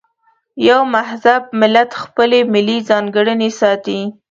یو مهذب ملت خپلې ملي ځانګړنې ساتي.